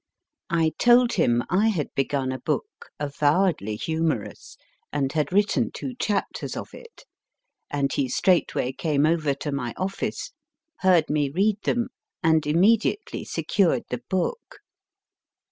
I told him I had begun a book, avowedly humorous, and had written two chapters of it, and he straightway came over to my office, heard me read them, and immediately secured the book.